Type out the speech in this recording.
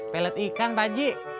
pelet ikan pak ji